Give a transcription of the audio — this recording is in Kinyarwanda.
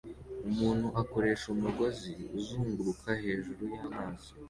Umuntu akoresha umugozi uzunguruka hejuru y'amazi